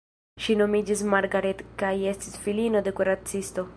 Ŝi nomiĝis Margaret kaj estis filino de kuracisto.